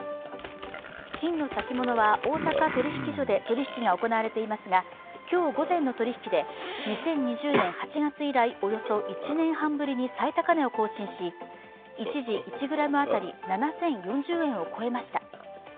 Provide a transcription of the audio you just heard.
金の先物は大阪取引所で取引が行われていますが今日午前の取引きで２０２０年８月以来およそ１年半ぶりに最高値を更新し一時１ｇ当たり７０４０円を超えました。